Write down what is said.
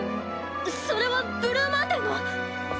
それはブルーマンデーの？